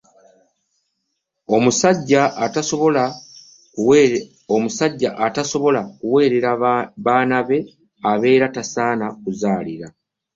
Omusajja atasobola kuweerera baana be abeera tasaana kuzaalira.